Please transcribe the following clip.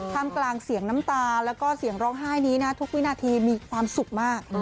มกลางเสียงน้ำตาแล้วก็เสียงร้องไห้นี้นะทุกวินาทีมีความสุขมาก